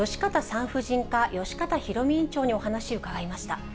産婦人科、善方裕美院長に、お話を伺いました。